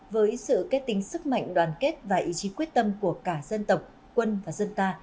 với sự kết tính sức mạnh đoàn kết và ý chí quyết tâm của cả dân tộc quân và dân ta